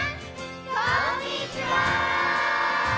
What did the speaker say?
こんにちは！